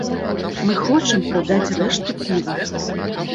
Мы хочам прадаць рэшту піва.